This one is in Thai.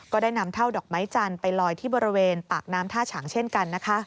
ก็ได้นำเท่าดอกไม้จันทร์ไปลอยที่บริเวณปากน้ำท่าฉางเช่นกันนะคะ